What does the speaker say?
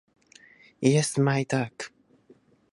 イエスマイダーク